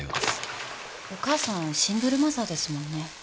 ・お母さんシングルマザーですもんね。